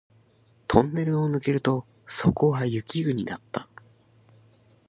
トンネルを抜けるとそこは雪国だった